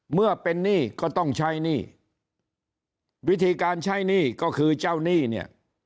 เมื่อเป็นหนี้ก็ต้องใช้หนี้วิธีการใช้หนี้ก็คือเจ้าหนี้เนี่ย